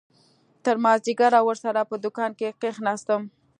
تر مازديگره ورسره په دوکان کښې کښېناستم.